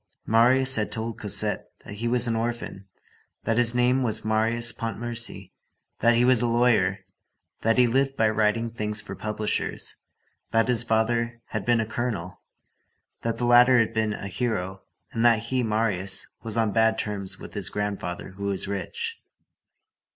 Marius had told Cosette that he was an orphan, that his name was Marius Pontmercy, that he was a lawyer, that he lived by writing things for publishers, that his father had been a colonel, that the latter had been a hero, and that he, Marius, was on bad terms with his grandfather who was rich.